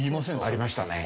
ありましたね。